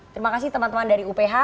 terima kasih teman teman dari uph